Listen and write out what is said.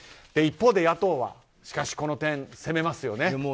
一方で野党はしかしこの点、責めますよね。